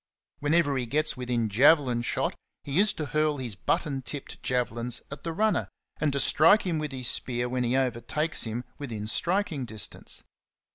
Whenever he gets within javelin shot, he is to hurl his button tipped javelins at the runner, and to strike him with his spear when he overtakes him within strik ing distance.